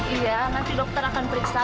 iya nanti dokter akan periksa